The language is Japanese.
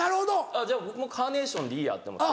じゃあ僕もカーネーションでいいやって思って。